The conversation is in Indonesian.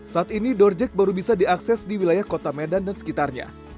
saat ini dorjek baru bisa diakses di wilayah kota medan dan sekitarnya